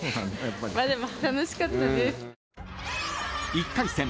［１回戦